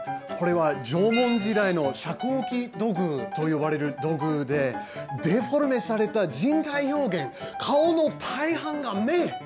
これは縄文時代の遮光器土偶と呼ばれる土偶でデフォルメされた人体表現顔の大半が目。